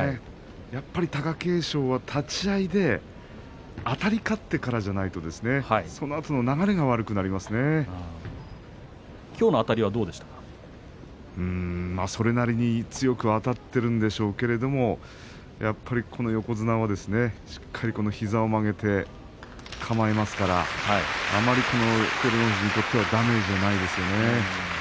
やっぱり貴景勝は立ち合いであたり勝ってからじゃないときょうのあたりはそれなりに強くあたっているんでしょうけれどもやっぱりこの横綱はしっかり膝を曲げて構えますからあまり照ノ富士にとってはダメージはないですね。